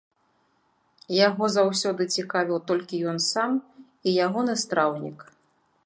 Яго заўсёды цікавіў толькі ён сам і ягоны страўнік.